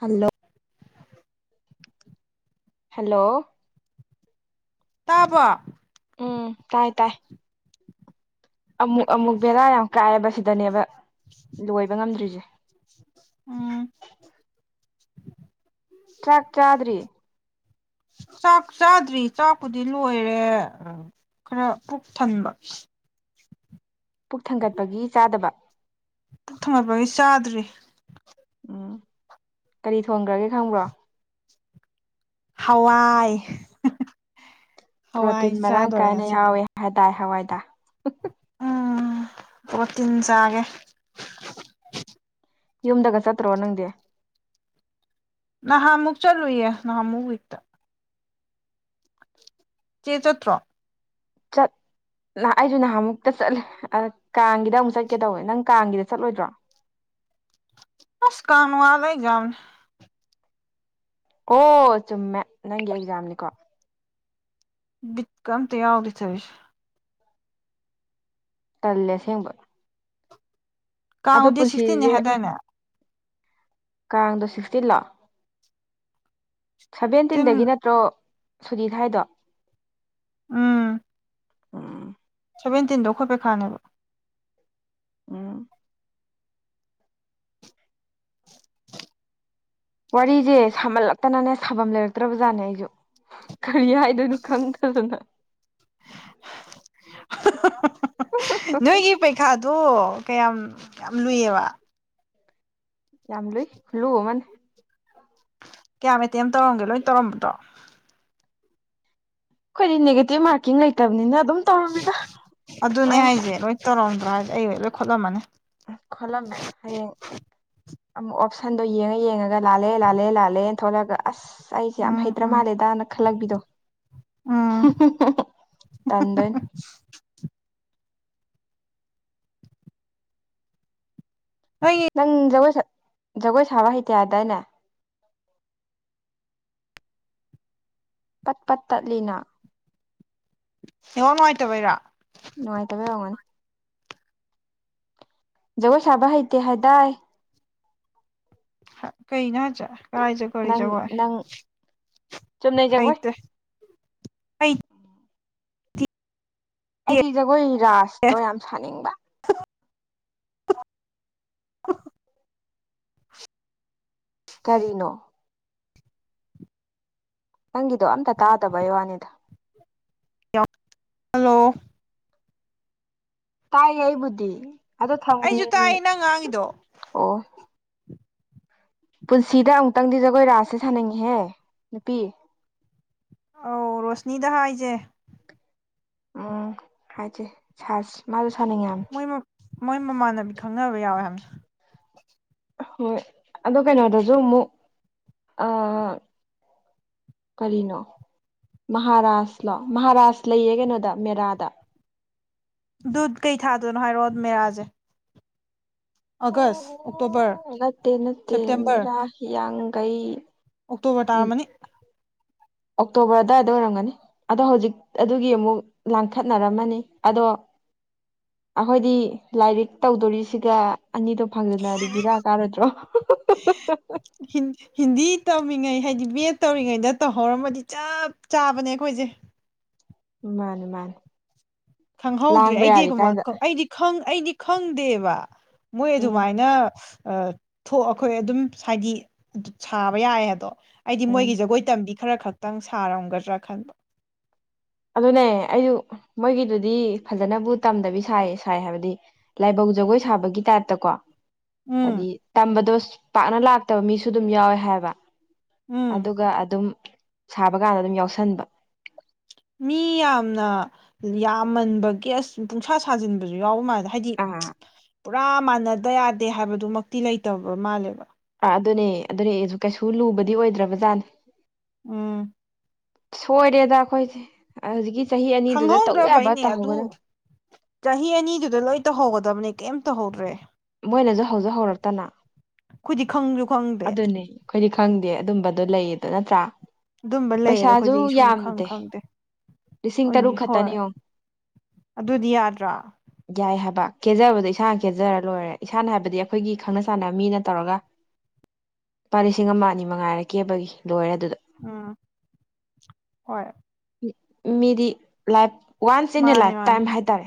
hello hello ꯇꯥꯔꯕꯣ ꯎꯝ ꯇꯥꯏ ꯇꯥꯏ ꯑꯃꯨꯛ ꯑꯃꯨꯛ ꯕꯦꯔꯥ ꯌꯥꯝ ꯀꯥꯏꯑꯦꯕ ꯁꯤꯗꯅꯦꯕ ꯂꯣꯏꯕ ꯉꯝꯗ꯭ꯔꯤꯁꯦ ꯎꯝ ꯆꯥꯛ ꯆꯥꯗ꯭ꯔꯤ ꯆꯥꯛ ꯆꯥꯗ꯭ꯔꯤ ꯆꯥꯛꯄꯨꯗꯤ ꯂꯣꯏꯔꯦ ꯈꯔ ꯄꯨꯛ ꯊꯟꯕ ꯄꯨꯛ ꯊꯟꯒꯠꯄꯒꯤ ꯆꯥꯗꯕ ꯊꯟꯒꯠꯄꯒꯤ ꯆꯥꯗ꯭ꯔꯤ ꯎꯝ ꯀꯔꯤ ꯊꯣꯡꯈ꯭ꯔꯒꯦ ꯈꯪꯕ꯭ꯔꯣ ꯍꯋꯥꯥꯏ ꯄ꯭ꯔꯣꯇꯤꯟ ꯃꯔꯥꯡ ꯀꯥꯏꯅ ꯌꯥꯎꯋꯦ ꯍꯥꯏꯗꯥꯏ ꯍꯋꯥꯏꯗ ꯎꯝ ꯑꯣ ꯇꯤꯟ ꯆꯥꯒꯦ ꯌꯨꯝꯗꯒ ꯆꯠꯇ꯭ꯔꯣ ꯅꯪꯗꯤ ꯅꯍꯥꯟꯃꯨꯛ ꯆꯠꯂꯨꯏꯌꯦ ꯅꯍꯥꯃꯨꯛ ꯋꯤꯛꯇ ꯆꯦ ꯆꯇ꯭ꯔ ꯆꯠ ꯑꯩꯁꯨ ꯅꯍꯥꯟ ꯑꯃꯨꯛꯇ ꯆꯠꯂꯦ ꯀꯥꯡꯒꯤꯗ ꯑꯃꯨꯛ ꯆꯠꯀꯦ ꯇꯧꯋꯦ ꯅꯪ ꯀꯥꯡꯒꯤꯗ ꯆꯠꯂꯣꯏꯗ꯭ꯔꯣ [unintelligible] ꯑꯁ ꯀꯥꯥꯟ ꯋꯥꯗꯦꯖꯝꯅꯦ ꯑꯣ ꯆꯨꯝꯃꯦ ꯅꯪꯒꯤ ꯑꯦꯛꯖꯥꯝꯅꯤꯀꯣ ꯀꯝꯇꯥꯎꯗꯤ ꯊꯔꯤꯁ ꯇꯜꯂꯦ ꯑꯁꯦꯡꯕ ꯑꯗꯣ ꯀꯥꯡꯉ ꯗꯦ ꯁꯤꯛꯁꯇꯤꯟꯅꯦ ꯄꯨꯟꯁꯤꯁꯦ ꯍꯥꯏꯇꯥꯔꯅꯦ ꯀꯥꯡꯗꯣ ꯁꯤꯛꯁꯇꯤꯟꯂꯣ ꯇꯤꯟ ꯁꯚꯦꯟꯇꯤꯟꯗꯒꯤ ꯅꯠꯇ꯭ꯔꯣ ꯁꯨꯅꯤ ꯊꯥꯏꯗꯣ ꯎꯝ ꯑ ꯁꯚꯦꯟꯇꯤꯟꯗꯣ ꯑꯩꯈꯣꯏꯠꯄꯩꯈꯥꯅꯦꯕ ꯎꯝ ꯋꯥꯔꯤꯁꯦ ꯁꯥꯃꯜꯂꯛꯇꯅꯅꯦ ꯁꯥꯐꯝ ꯂꯩꯔꯛꯇ꯭ꯔꯕ ꯖꯥꯠꯅꯦ ꯑꯩꯁꯨ ꯀꯔꯤ ꯍꯥꯏꯗꯣꯏꯅꯣ ꯈꯪꯗꯗꯅ ꯅꯣꯏꯒꯤ ꯄꯩꯈꯥꯗꯣ ꯀꯌꯥꯝ ꯌꯥꯝ ꯂꯨꯏꯌꯦꯕ ꯌꯥꯝ ꯂꯨꯏ ꯂꯨꯃꯅꯤ ꯀꯌꯥ ꯃꯇꯇꯩ ꯑꯃ ꯇꯧꯔꯝꯒꯦ ꯂꯣꯏ ꯇꯧꯔꯝꯕꯗꯣ ꯑꯩꯈꯣꯏꯗꯤ ꯅꯦꯒꯦꯇꯤꯚ ꯃꯥꯔꯀꯤꯡ ꯂꯩꯇꯕꯅꯤꯅ ꯑꯗꯨꯝ ꯇꯧꯔꯝꯃꯤꯗ ꯑꯗꯨꯅꯦ ꯑꯩ ꯍꯥꯏꯁꯦ ꯂꯣꯏ ꯇꯧꯔꯝꯗ꯭ꯔꯣ ꯍꯥꯏꯗꯤ ꯑꯩ ꯂꯣꯏ ꯈꯣꯠꯂꯝꯃꯅꯤ ꯈꯣꯜꯂꯝꯃꯦ ꯍꯌꯦꯡ ꯑꯃꯨꯛ ꯑꯣꯞꯁꯟꯗꯣ ꯌꯦꯡꯉ ꯌꯦꯡꯉꯒ ꯂꯥꯜꯂꯦ ꯂꯥꯜꯂꯦ ꯂꯥꯜꯂꯦꯅ ꯊꯣꯛꯂꯛꯒ ꯑꯁ ꯑꯁ ꯑꯩꯁꯦ ꯌꯥꯝ ꯎꯝ ꯍꯩꯇ꯭ꯔ ꯎꯝ ꯃꯥꯜꯂꯦꯗꯅ ꯈꯜꯂꯛꯄꯤꯗꯣ ꯎꯝ ꯇꯗ ꯅꯣꯏꯒꯤ ꯅꯪ ꯖꯒꯣꯏ ꯖꯒꯣꯏ ꯁꯥꯕ ꯍꯩꯇꯦꯌꯥꯗꯅꯦ ꯄꯠ ꯄꯠ ꯇꯠꯂꯤꯅ ꯍꯉ ꯅꯨꯡꯉꯥꯏꯇꯕꯩꯔꯥ ꯅꯨꯡꯉꯥꯏꯇꯕꯦ ꯋꯥꯃꯅꯤ ꯒꯣ ꯁꯥꯕ ꯍꯥꯏꯇ ꯍꯥꯏꯗꯥꯏ ꯀꯩ ꯅꯅꯥ ꯆ ꯀꯥꯏꯖꯦ ꯀꯔꯤ ꯅꯪ ꯆ ꯋꯥꯔ ꯅꯪ ꯆꯨꯝꯅꯩ ꯍꯥꯏ ꯖꯒꯣꯏ ꯇ ꯍꯩꯇꯤꯌꯦ ꯑꯩꯗꯤ ꯖꯒꯣꯏ ꯔꯖꯇꯣ ꯌꯥꯝ ꯁꯥꯅꯤꯡꯕ [inaudible] ꯀꯔꯤꯅꯣ ꯅꯪꯒꯤꯗꯣ ꯑꯝꯇ ꯇꯥꯗꯕ ꯋꯥꯅꯤꯗ ꯍꯜꯂꯣ ꯇꯥꯏꯌꯦ ꯑꯩꯕꯨꯗꯤ ꯑꯗ ꯊꯝ ꯑꯩꯁꯨ ꯇꯥꯏ ꯅꯪ ꯉꯥꯡꯉꯤꯗꯣ ꯑꯣ ꯄꯨꯟꯁꯤꯗ ꯑꯃꯨꯛꯇꯪꯗꯤ ꯖꯒꯣꯏ ꯔꯥꯁꯦ ꯁꯥꯥꯟꯅꯤꯡꯉꯍꯦ ꯅꯨꯄꯤ ꯑꯧ ꯔꯣꯁꯅꯤꯗꯍ ꯍꯥꯏꯁꯦ ꯎꯝ ꯍꯥꯏꯁꯦ ꯁꯥ ꯃꯥꯁꯨꯣ ꯁꯥꯅꯤꯡꯉꯦ ꯃꯣꯏ ꯃꯣꯏ ꯃꯃꯥꯟꯅꯕꯤ ꯈꯪꯅꯕ ꯌꯥꯎꯋꯦ ꯍꯥꯏꯕꯅꯤ ꯍꯣꯏ ꯑꯣ ꯀꯩꯅꯣꯗꯁꯨ ꯑꯃꯨꯛ ꯀꯅꯣ ꯃꯍꯥꯔꯥꯁꯂꯣ ꯃꯍꯥꯔꯥꯁ ꯂꯩꯌꯦ ꯀꯩꯅꯣꯗ ꯃꯦꯔꯥꯗ ꯗꯨꯠ ꯀꯩ ꯊꯥꯗꯣꯏꯅꯣ ꯍꯥꯏꯔꯣ ꯃꯦꯔꯥꯁꯦ ꯑꯥꯒꯁ ꯑꯣꯛꯇꯣꯕꯔ ꯅꯠꯇꯦ ꯅꯠꯇꯦ ꯁꯦꯞꯇꯦꯝꯕꯔ ꯃꯤꯔ ꯍꯌꯥꯒꯩ ꯑꯣꯛꯇꯣꯕꯔ ꯇꯥꯃꯅꯤ ꯑꯣꯛꯇꯣꯕꯔ ꯑꯗꯨꯗꯥꯋꯥꯏꯗ ꯑꯣꯏꯔꯝꯒꯅꯤ ꯑꯗꯣ ꯍꯧꯖꯤꯛ ꯑꯗꯨꯒꯤ ꯑꯃꯨꯛ ꯂꯥꯡꯈꯠꯅꯔꯝꯃꯅꯤ ꯑꯗꯣ [inaudible] ꯑꯩꯈꯣꯏꯗꯤ ꯂꯥꯏꯔꯤꯛ ꯇꯧꯗꯣꯔꯤꯁꯤꯒ ꯑꯅꯤꯗꯣ ꯐꯪꯗꯅ ꯂꯤꯕꯤꯔꯛꯑ ꯀꯥꯔꯗ꯭ꯔꯣ ꯍꯤꯟ ꯍꯤꯟꯗꯤ ꯇꯧꯃꯤꯉꯩ ꯍꯥꯏꯗꯤ ꯕꯦꯠ ꯇꯧꯔꯤꯉꯩꯗ ꯇꯧꯍꯧꯔꯝꯃꯗꯤ ꯆꯞ ꯆꯥꯕꯅꯦ ꯑꯩꯈꯣꯏꯁꯦ ꯃꯥꯅꯦ ꯃꯥꯅꯤ ꯈꯪꯍꯧꯗ꯭ꯔꯦ ꯑꯩꯗꯤ ꯑꯩꯗꯤ ꯑꯩꯗꯤ ꯈꯪꯗꯦꯕ ꯃꯣꯏ ꯎꯝ ꯑꯗꯨꯃꯥꯏꯅ ꯊꯣꯛꯑꯈꯣꯏ ꯑꯗꯨꯝ ꯍꯥꯏꯗꯤ ꯁꯥꯕ ꯌꯥꯏ ꯑꯗꯣ ꯍꯥꯏꯗꯤ ꯎꯝ ꯃꯣꯏꯒꯤ ꯖꯒꯣꯏ ꯇꯝꯕꯤ ꯈꯔ ꯈꯛꯇꯪ ꯁꯥꯔꯝꯒꯗ꯭ꯔꯥ ꯈꯟꯕ ꯑꯗꯨꯅꯦ ꯑꯩꯁꯨ ꯃꯣꯏꯒꯤꯗꯨꯗꯤ ꯐꯖꯅꯕꯨ ꯇꯝꯗꯕꯤ ꯁꯥꯏ ꯁꯥꯏ ꯍꯥꯏꯕꯗꯤ ꯂꯥꯏꯕꯛ ꯂ ꯖꯒꯣꯏ ꯁꯥꯕꯒꯤ ꯇꯥꯏꯞꯇꯀꯣ ꯍꯥꯏꯗꯤ ꯎꯝ ꯇꯝꯕꯗꯣ ꯄꯥꯛꯅ ꯂꯥꯛꯇꯕ ꯃꯤꯁꯨ ꯑꯗꯨꯝ ꯌꯥꯎꯋꯦ ꯍꯥꯏꯕ ꯎꯝ ꯑꯗꯨꯒ ꯑꯗꯨꯝ ꯁꯥꯕꯀꯥꯟꯗ ꯑꯗꯨꯝ ꯌꯥꯎꯁꯟꯕ ꯃꯤ ꯌꯥꯝꯅ ꯌꯥꯝꯃꯟꯕ ꯒꯦꯁ ꯄꯨꯡꯁꯥ ꯁꯥꯖꯤꯟꯕꯁꯨ ꯌꯥꯎꯕ ꯃꯥꯜꯦ ꯍꯥꯏꯗꯤ ꯑꯥ ꯄꯨꯔꯥ ꯃꯥꯟꯅꯗ ꯌꯥꯗꯦ ꯍꯥꯏꯕꯗꯨꯃꯛꯇꯤ ꯂꯩꯇꯕ ꯃꯥꯜꯂꯦꯕ ꯑꯗꯨꯅꯦ ꯑꯗꯨꯅꯦ ꯑꯩꯁꯨ ꯀꯩꯁꯨ ꯂꯨꯕꯗꯤ ꯑꯣꯏꯗ꯭ꯔꯕꯖꯥꯠꯅꯦ ꯎꯝ ꯁꯣꯏꯔꯦꯗ ꯑꯩꯈꯣꯏꯁꯦ ꯍꯧꯖꯤꯛ ꯈꯪꯍꯧꯗ꯭ꯔꯕ ꯑꯩꯅꯦ ꯑꯗꯨ ꯆꯍꯤ ꯑꯅꯤꯗꯨꯗ ꯂꯣꯏ ꯇꯧꯍꯧꯒꯗꯕꯅꯦ ꯀꯩꯝꯇ ꯍꯧ꯭ꯔꯦ ꯃꯣꯏꯅꯁꯨ ꯍꯧꯁꯨ ꯍꯧꯔꯛꯇꯅ ꯑꯩꯈꯗꯤ ꯈꯪꯗ꯭ꯔꯦ ꯑꯗꯨꯅꯦ ꯑꯩꯈꯣꯏꯗꯤ ꯈꯪꯗꯦ ꯑꯗꯨꯝꯕꯗꯣ ꯂꯩꯌꯦꯗꯣ ꯅꯠꯇ꯭ꯔꯥ ꯑꯗꯨꯝꯕ ꯂꯩꯌꯦꯗꯣ ꯄꯩꯁꯥꯁꯨ ꯑꯩꯈꯣꯏꯁꯦ ꯁꯨꯝ ꯈꯪ ꯌꯥꯝꯗꯦ ꯈꯪꯗꯦ ꯂꯤꯁꯤꯡ ꯑꯣꯏꯅꯤ ꯇꯔꯨꯛ ꯍꯣꯏ ꯈꯛꯇꯅꯤ ꯌꯦꯡꯉꯣ ꯑꯗꯨꯗꯤ ꯌꯥꯗ꯭ꯔꯥ ꯌꯥꯏ ꯍꯥꯏꯕ ꯀꯦꯖꯕꯗꯣ ꯏꯁꯥꯅ ꯈꯦꯖꯔ ꯂꯣꯏꯔꯦ ꯏꯁꯥꯅ ꯍꯥꯏꯕꯗꯤ ꯑꯩꯈꯣꯏꯒꯤ ꯈꯪꯅ ꯆꯥꯟꯅꯕ ꯃꯤꯅ ꯇꯧꯔꯒ ꯂꯨꯄꯥ ꯂꯤꯁꯤꯡ ꯑꯃ ꯑꯅꯤ ꯃꯉꯥꯏꯔꯛꯀꯦꯕꯒꯤ ꯂꯣꯏꯔ ꯎꯝ ꯍꯣꯏ ꯃꯤꯦꯗꯤ ꯂꯥꯏꯐ ꯋꯥꯟꯁ ꯏꯟ ꯑꯦ ꯃꯥꯅꯦ ꯂꯥꯏꯐ ꯇꯥꯏꯝ ꯍꯥꯏꯇꯥꯔꯦ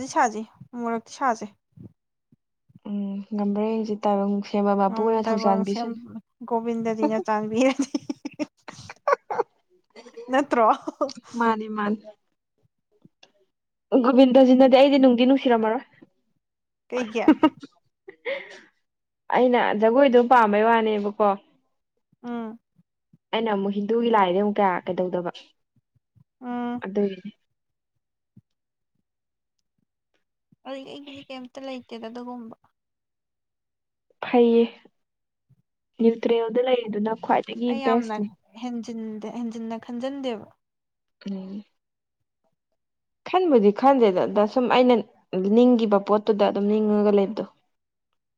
ꯖꯤ ꯁꯥꯖꯤ ꯃꯣꯔꯛ ꯁꯥꯁꯦ ꯎꯝ ꯉꯝꯕꯔꯡꯁꯦ ꯇꯥꯏꯕꯪ ꯁꯦꯝꯕ ꯑ ꯃꯄꯨꯅ ꯇꯥꯏꯕꯪ ꯁꯦꯝ ꯊꯧꯖꯥꯟꯕꯤꯁꯅꯨ ꯒꯣꯕꯤꯟꯗꯖꯤꯅ ꯆꯥꯟꯕꯤꯔꯅꯤ [inaudible] ꯅꯠꯇ꯭ꯔꯣ ꯃꯥꯅꯤ ꯃꯥꯅꯤ ꯒꯣꯕꯤꯟꯗꯖꯤꯅꯗꯤ ꯑꯩꯗꯤ ꯅꯨꯡꯗꯤ ꯅꯨꯡꯁꯤꯔꯝꯃꯔꯣꯏ ꯀꯩ ꯀ ꯑꯩꯅ ꯖꯒꯣꯏꯗꯣ ꯄꯥꯝꯕꯩ ꯋꯥꯅꯦꯕꯀꯣ ꯎꯝ ꯑꯩꯅ ꯑꯃꯨꯛ ꯍꯤꯟꯗꯨꯒꯤ ꯂꯥꯏꯗꯤ ꯑꯃꯨꯛ ꯀꯌꯥ ꯀꯩꯗꯧꯗꯕ ꯎꯝ ꯑꯗꯨꯒꯤꯅꯦ ꯑꯗꯨꯗꯒꯤ ꯑꯩꯒꯤꯗꯤ ꯀꯩꯝꯇ ꯂꯩꯇꯦꯗ ꯑꯗꯨꯒꯨꯝꯕ ꯐꯩꯌꯦ ꯅ꯭ꯌꯨꯇ꯭ꯔꯦꯜꯗ ꯂꯩꯔꯤꯗꯨꯅ ꯈ꯭ꯋꯥꯏꯗꯒꯤ ꯑꯩ ꯌꯥꯝꯅ ꯕꯦꯁꯅꯤ ꯍꯦꯟꯟ ꯍꯦꯟꯖꯤꯟꯅ ꯈꯟꯖꯤꯟꯗꯦꯕ ꯑ ꯈꯟꯕꯨꯗꯤ ꯈꯟꯗꯦꯗ ꯑꯗ ꯁꯨꯝ ꯑꯩꯅ ꯅꯤꯡꯈꯤꯕ ꯄꯣꯠꯇꯨꯗ ꯑꯗꯨꯝ ꯅꯤꯡꯉꯒ ꯂꯩꯕꯗꯣ [inaudible]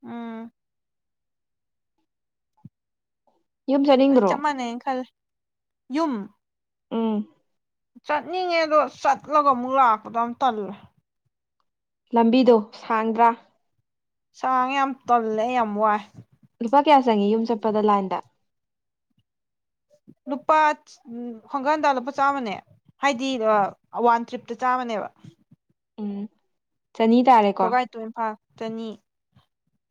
ꯎꯝ ꯌꯨꯝ ꯑꯗꯨ ꯆꯠꯅꯤꯡꯗ꯭ꯔꯣ ꯆꯞ ꯃꯥꯟꯅꯩ ꯈꯜ ꯌꯨꯝ ꯎꯝ ꯆꯠꯅꯤꯡꯉꯦ ꯑꯗꯣ ꯆꯠꯂꯒ ꯑꯃꯨꯛ ꯂꯥꯛꯄꯗ ꯑꯃ ꯇꯜꯂꯦ ꯂꯝꯕꯤꯗꯣ ꯁꯥꯡꯗ꯭ꯔꯥ ꯁꯥꯡ ꯌꯥꯝ ꯇꯜꯂꯦ ꯌꯥꯝ ꯋꯥꯏ ꯂꯨꯄꯥ ꯀꯌꯥ ꯆꯪꯉꯤ ꯌꯨꯝ ꯆꯠꯄꯗ ꯂꯥꯏꯟꯗ ꯂꯨꯄꯥ ꯈꯣꯡꯒꯟꯗ ꯂꯨꯄꯥ ꯆꯥꯃꯅꯦ ꯍꯥꯏꯗꯤ ꯋꯥꯟ ꯇ꯭ꯔꯤꯞꯇ ꯆꯥꯃ ꯍꯅꯦꯕ ꯎꯝ ꯆꯅꯤ ꯇꯥꯔꯦꯀꯣ ꯀꯣꯒꯥꯏ ꯇꯨ ꯏꯝꯐꯥꯜ ꯆꯅꯤ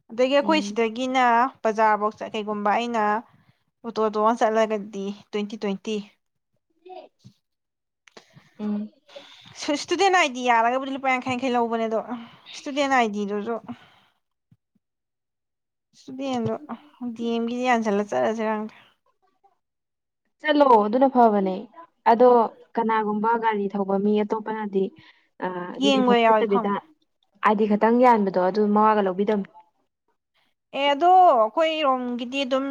ꯑꯗꯒꯤ ꯑꯩꯈꯣꯏ ꯎꯝ ꯁꯤꯗꯒꯤꯅ ꯕꯖꯥꯔꯐꯧ ꯀꯩꯒꯨꯝꯕ ꯑꯩꯅ ꯑꯣꯇꯣ ꯇꯣꯛꯑ ꯆꯠꯂꯒꯗꯤ ꯇ꯭ꯋꯦꯟꯇꯤ ꯇ꯭ꯋꯦꯟꯇꯤ [inaudible] ꯎꯝ ꯣꯏ ꯁ꯭ꯇꯨꯗꯦꯟ ꯑꯥꯏ ꯗꯤ ꯌꯥꯔꯒꯕꯨꯗꯤ ꯂꯨꯄꯥ ꯌꯥꯡꯈꯩꯡꯈꯩ ꯂꯧꯕꯅꯦꯗꯣ ꯁ꯭ꯇꯨꯗꯦꯟ ꯑꯥꯏ ꯗꯤꯗꯨꯁꯨ [inaudible] ꯁꯨꯗꯤꯗꯣ ꯗꯤ ꯑꯦꯝꯒꯤꯗꯤ ꯌꯥꯟꯁꯤꯜꯂ ꯆꯠꯂꯁꯦꯔꯪꯗ ꯆꯠꯂꯣ ꯑꯗꯨꯅ ꯐꯕꯅꯦ ꯑꯗꯣ ꯀꯅꯥꯒꯨꯝꯕ ꯒꯥꯔꯤ ꯊꯧꯕ ꯃꯤ ꯑꯇꯣꯞꯄꯅꯗꯤ ꯑ ꯑꯗꯨꯗꯤ ꯌꯦꯡꯕ ꯌꯥꯎꯋꯦ ꯍꯣꯀꯠꯇꯕꯤꯗ ꯈꯪꯕ ꯍꯥꯏꯗꯤ ꯈꯇꯪ ꯌꯥꯟꯕꯗꯣ ꯑꯗꯨ ꯃꯉꯥꯒ ꯂꯧꯕꯤꯗꯕꯅꯤ ꯑꯦ ꯑꯗꯣ ꯑꯩꯈꯣꯏ ꯏꯔꯣꯝꯒꯤꯗꯤ ꯑꯗꯨꯝ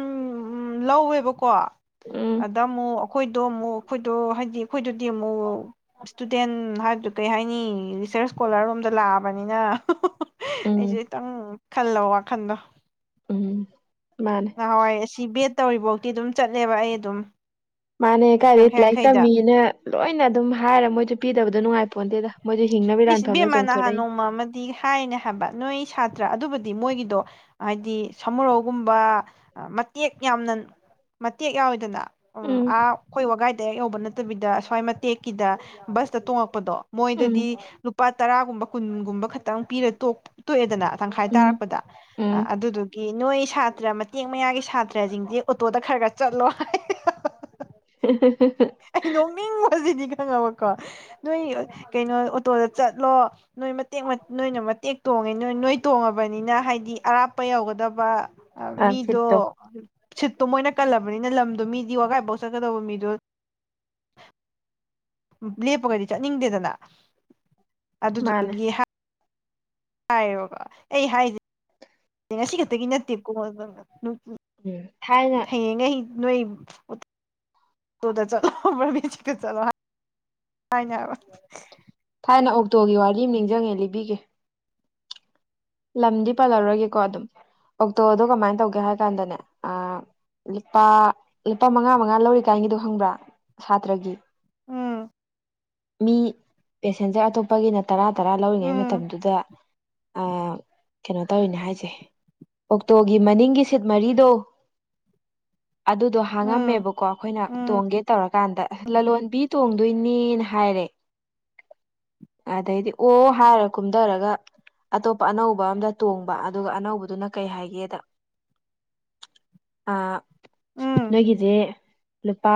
ꯂꯧꯋꯦꯕꯀꯣ ꯎꯝ ꯑꯗ ꯑꯃꯨꯛ ꯑꯩꯈꯣꯏꯗꯣ ꯑꯃꯨꯛ ꯑꯩꯈꯣꯏꯗꯣ ꯍꯥꯏꯗꯤ ꯑꯩꯈꯣꯏꯗꯨꯗꯤ ꯑꯃꯨꯛ ꯏꯁꯇꯨꯗꯦꯟ ꯍꯥꯏꯗꯨ ꯀꯩ ꯍꯥꯏꯅꯤ ꯔꯤꯁꯔꯁ ꯁ꯭ꯀꯣꯂꯔ ꯔꯣꯝꯗ ꯂꯥꯛꯑꯕꯅꯤꯅ ꯎꯝ ꯑꯩꯁꯨꯦ ꯈꯤꯇꯪ ꯈꯜꯂꯣ ꯋꯥꯈꯟꯗꯣ ꯎꯝ ꯃꯥꯅꯦ ꯅꯍꯥꯟꯋꯥꯏ ꯑꯁꯤ ꯕꯦꯠ ꯇꯧꯔꯤ ꯐꯥꯎꯗꯤꯤ ꯑꯗꯨꯝ ꯆꯠꯂꯦꯕ ꯑꯩ ꯑꯗꯨꯝ ꯃꯥꯅꯦ ꯀꯥꯏꯗꯤ ꯌꯥꯡꯈꯩ ꯂꯥꯏꯔꯤꯛ ꯌꯥꯡꯈꯩꯗ ꯇꯝꯃꯤꯅ ꯂꯣꯏꯅ ꯑꯗꯨꯝ ꯍꯥꯏꯔ ꯃꯣꯏꯁꯨ ꯄꯤꯗꯕꯗꯣ ꯅꯨꯡꯉꯥꯏ ꯄꯣꯟꯗꯦꯗ ꯏꯁ ꯕꯦꯝꯃ ꯅꯍꯥꯟ ꯅꯣꯡꯃ ꯑꯃꯗꯤ ꯍꯥꯏꯅꯦ ꯍꯥꯏꯕ ꯅꯣꯏ ꯁꯥꯇ꯭ꯔ ꯑꯗꯨꯕꯨꯗꯤ ꯍꯥꯏꯗꯤ ꯃꯣꯏꯒꯤꯗꯣ ꯍꯥꯏꯗꯤ ꯁꯃꯨꯔꯧꯒꯨꯝꯕ ꯃꯇꯦꯛ ꯌꯥꯝꯅ ꯃꯠꯇꯦꯦꯛ ꯌꯥꯎ ꯏꯗꯅ ꯎꯝ ꯑꯥ ꯑꯩꯈꯣꯏ ꯋꯥꯒꯥꯏꯗ ꯑ ꯌꯧꯕ ꯅꯠꯇꯕꯤꯗ ꯑꯁ꯭ꯋꯥꯏ ꯃꯇꯦꯛꯀꯤꯗ ꯕꯁꯇ ꯇꯣꯡꯉꯛꯄꯗꯣ ꯎꯝ ꯃꯣꯏꯗꯗꯤ ꯂꯨꯄꯥ ꯇꯔꯥꯒꯨꯝꯕ ꯀꯨꯟꯒꯨꯝꯕ ꯈꯇꯪ ꯄꯤꯔ ꯇ ꯇꯣꯛꯑꯦꯗꯅ ꯇꯪꯈꯥꯏ ꯎꯝ ꯇꯥꯔꯛꯄꯗ ꯎꯝ ꯑꯗꯨꯗꯨꯒꯤ ꯅꯣꯏ ꯏꯁ ꯁꯥꯇ꯭ꯔ ꯃꯇꯦꯛ ꯃꯌꯥꯒꯤ ꯁꯥꯇ꯭ꯔꯁꯤꯡꯗꯤ ꯑꯣꯇꯣꯗ ꯈꯔ ꯈꯔ ꯆꯠꯂꯣ [inaudible] ꯑꯩꯅꯣꯡꯃꯤꯡ ꯃꯗꯤ ꯈꯪꯉꯕꯀꯣ ꯅꯣꯏ ꯀꯩꯅꯣ ꯑꯣꯇꯣꯗ ꯆꯠꯂꯣ ꯅꯣꯏ ꯃꯇꯦꯛ ꯅꯣꯏꯅ ꯃꯇꯦꯛꯇꯣ ꯇꯣꯡꯉꯦ ꯅꯣꯏ ꯅꯣꯏ ꯇꯣꯡꯉꯕꯅꯤꯅ ꯍꯥꯏꯗꯤ ꯑꯔꯥꯞꯄ ꯌꯧꯒꯗꯕ ꯑ ꯃꯤꯗꯣ ꯁꯤꯠꯇꯣ ꯁꯤꯠꯇꯣ ꯃꯣꯏꯅ ꯀꯜꯂꯕꯅꯤꯅ ꯂꯝꯗꯣ ꯃꯤꯗꯤ ꯋꯥꯒꯥꯏꯐꯥꯎ ꯆꯠꯀꯗꯧꯕ ꯃꯤꯗꯣ [inaudible] ꯂꯦꯞꯄꯒꯗꯤ ꯆꯠꯅꯤꯡꯗꯦꯗꯅ ꯑꯗꯨꯗꯨꯒꯤ ꯃꯥꯅꯦ ꯍꯥꯏꯕ ꯑꯩ ꯍꯥꯏꯁꯦ ꯉꯁꯤ ꯈꯛꯇꯒꯤ ꯅꯠꯇꯦꯕꯀꯣ ꯎꯝ ꯊꯥꯏꯅ ꯍꯌꯦꯡ ꯉ ꯅ ꯇꯨ ꯆꯂꯣ ꯆꯂꯣ ꯀ ꯑꯕ ꯍꯥꯟꯅ ꯑꯣꯛꯇꯣꯒꯤ ꯋꯥꯔꯤ ꯑꯃ ꯅꯤꯡꯁꯤꯡꯉꯦ ꯂꯤꯕꯤꯒꯦ ꯂꯝꯗꯤ ꯄꯥꯜꯂꯔꯒꯦꯀꯣ ꯑꯗꯨꯝ ꯑꯣꯛꯇꯣꯗꯣ ꯀꯃꯥꯏꯅ ꯇꯧꯒꯦ ꯍꯥꯏ ꯀꯥꯟꯗꯅꯦ ꯂꯨꯄꯥ ꯂꯨꯄꯥ ꯃꯉꯥ ꯃꯉꯥ ꯂꯧꯔꯤ ꯀꯥꯏꯒꯤꯗꯣ ꯈꯪꯕ꯭ꯔꯥ ꯁꯥꯇ꯭ꯔꯒꯤ ꯎꯝ ꯃꯤ ꯄꯦꯁꯦꯟꯖꯔ ꯑꯇꯣꯞꯄꯒꯤꯅ ꯇꯔꯥ ꯇꯔꯥ ꯂꯧꯔꯤꯉꯩ ꯎꯝ ꯃꯇꯝꯗꯨꯗ ꯀꯩꯅꯣ ꯇꯧꯔꯤꯅꯦ ꯍꯥꯏꯁꯦ ꯑꯣꯛꯇꯣꯒꯤ ꯃꯅꯤꯡꯒꯤ ꯁꯤꯠ ꯃꯔꯤꯗꯣ ꯑꯗꯨꯗꯣ ꯎꯝ ꯍꯥꯡꯉꯝꯃꯦꯕꯀꯣ ꯑꯩꯈꯣꯏꯅ ꯇꯣꯡꯒꯦ ꯇꯧꯔꯀꯥꯟꯗ ꯑꯁ ꯂꯂꯣꯟꯕꯤ ꯇꯣꯡꯗꯣꯏꯅꯤꯅ ꯍꯥꯏꯔꯦ ꯑꯗꯩꯗꯤ ꯑꯣ ꯍꯥꯏꯔ ꯀꯨꯝꯊꯔꯒ ꯑꯇꯣꯞꯄ ꯑꯇ ꯑꯅꯧꯕ ꯑꯝꯗ ꯇꯣꯡꯕ ꯑꯗꯨꯒ ꯑꯅꯧꯕꯗꯨꯅ ꯀꯩ ꯍꯥꯏꯒꯦꯗ ꯑꯥ ꯎꯝ ꯅꯣꯏꯒꯤꯁꯦ ꯂꯨꯄꯥ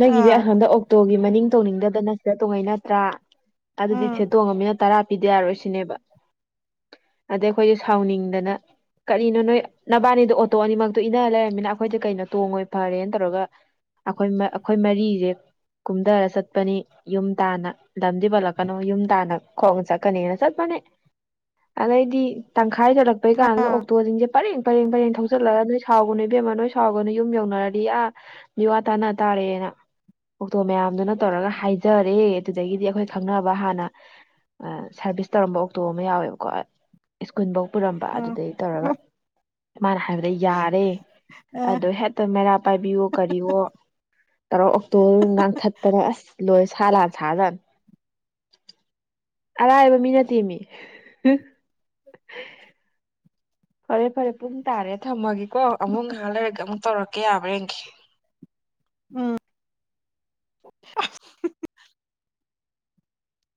ꯅꯣꯏꯒꯤꯁꯦ ꯑꯥ ꯑꯍꯟꯗ ꯑꯣꯛꯇꯣꯒꯤ ꯃꯅꯤꯡ ꯇꯣꯡꯅꯤꯡꯗꯗꯅ ꯁꯦ ꯇꯣꯡꯉꯩꯩꯅꯠꯇ꯭ꯔꯥ ꯑꯗꯨꯗꯤ ꯎꯝ ꯁꯦ ꯇꯣꯡꯉꯅꯤꯅ ꯇꯔꯥ ꯕꯤꯗ꯭ꯌꯥꯔ ꯑꯣꯏꯁꯤꯅꯦꯕ ꯑꯗꯩ ꯑꯩꯈꯣꯏꯁꯦ ꯁꯥꯎꯅꯤꯡꯗꯅ ꯀꯔꯤꯅꯣ ꯅꯣꯏ ꯅꯕꯥꯅꯤꯗꯣ ꯑꯣꯇꯣ ꯑꯅꯤꯃꯛꯇꯣ ꯏꯟꯅꯔ ꯂꯩꯔꯝꯃꯤꯅ ꯑꯩꯈꯣꯏꯗꯤ ꯀꯩꯅꯣ ꯇꯣꯡꯉꯣꯏ ꯐꯔꯦꯅ ꯇꯧꯔꯒ ꯑꯩꯈꯣꯏ ꯑꯩꯈꯣꯏ ꯃꯔꯤꯁꯦ ꯀꯨꯝꯊꯔ ꯆꯠꯄꯅꯤ ꯌꯨꯝ ꯇꯥꯅ ꯂꯝꯗꯤ ꯄꯠꯂꯛꯀꯅꯣ ꯌꯨꯝ ꯇꯥꯅ ꯈꯣꯡ ꯆꯠꯀꯅꯤꯅ ꯆꯠꯄꯅꯤ ꯑꯗꯩꯗꯤ ꯇꯪꯈꯥꯏꯗꯂꯛꯄꯩ ꯀꯥꯟꯗ ꯑꯣꯛꯇꯣꯁꯤꯡꯁꯦ ꯄꯔꯦꯡ ꯄꯔꯦꯡ ꯄꯔꯦꯡ ꯊꯧꯆꯜꯂꯒ ꯅꯣꯏ ꯁꯥꯎꯒꯅ ꯏꯕꯦꯝꯃ ꯅꯣꯏ ꯁꯥꯎꯒꯅ ꯌꯨꯝ ꯌꯧꯅꯔꯔꯤ ꯑꯥ ꯋꯥ ꯇꯥꯅ ꯇꯥꯔ ꯀꯦꯅ ꯑꯣꯛꯇꯣ ꯃꯌꯥꯝꯗꯨꯅ ꯇꯧꯔꯒ ꯍꯥꯏꯖꯔꯦ ꯑꯗꯨꯗꯒꯤꯗꯤ ꯑꯩꯈꯣꯏ ꯈꯪꯅꯕ ꯍꯥꯟꯅ ꯁꯔꯚꯤꯁ ꯇꯧꯔꯝꯕ ꯑꯣꯛꯇꯣ ꯑꯃ ꯌꯥꯎꯋꯦꯕꯀꯣ ꯏꯁꯀꯨꯟꯕ ꯄꯨꯔꯝꯕ ꯎꯝ ꯑꯗꯨꯗꯩ ꯇꯧꯔꯒ ꯃꯥꯅ ꯍꯥꯏꯕꯗ ꯌꯥꯔꯦ ꯑ ꯑꯗꯣ ꯍꯦꯛꯇ ꯃꯦꯔꯥ ꯄꯥꯏꯕꯤꯌꯣ ꯀꯔꯤꯌꯣ ꯇꯔꯥ ꯑꯣꯛꯇꯣꯕ ꯉꯥꯡꯊꯠꯇꯅ ꯑꯁ ꯂꯣꯏ ꯁꯥ ꯂꯥꯟ ꯁꯥꯖꯥꯟ ꯑꯔꯥꯏꯕ ꯃꯤꯅ ꯇꯦꯝꯃꯤ ꯎ ꯐꯔꯦ ꯐꯔꯦ ꯄꯨꯡ ꯇꯥꯔꯦ ꯊꯝꯃꯒꯦꯀꯣ ꯑꯃꯨꯛ ꯉꯍꯥꯟ ꯂꯩꯔꯒ ꯑꯃꯨꯛ ꯇꯧꯔꯛꯀꯦ ꯃꯔꯦꯡꯈꯤ ꯎꯝ [unintelligible]